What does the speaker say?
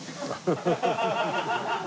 ハハハハハ。